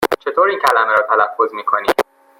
چطور این کلمه را تلفظ می کنی؟